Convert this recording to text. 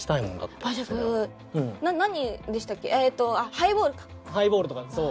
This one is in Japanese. ハイボールとかそう。